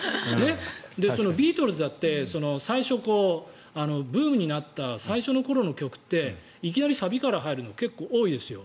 そのビートルズだって最初ブームになった最初の頃の曲ってサビから入る曲が結構、多いですよ。